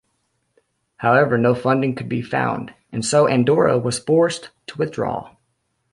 However no funding could be found, and so Andorra was forced to withdraw.